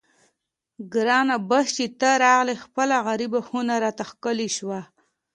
ګرانه بس چې ته راغلې خپله غریبه خونه راته ښکلې شوه.